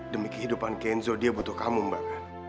demi kehidupan kenzo dia butuh kamu mbak